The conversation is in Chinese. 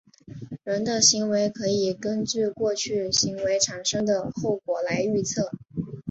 人的行为可以根据过去行为产生的后果来预测。